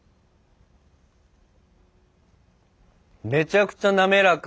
めちゃくちゃ滑らか。